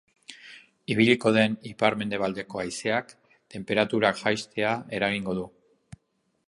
Ibiliko den ipar-mendebaldeko haizeak tenperaturak jaistea eragingo du.